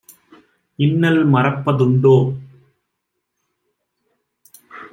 இன்னல் மறப்ப துண்டோ?"